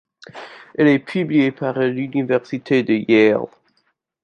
Elle est publiée par l'Université de Yale.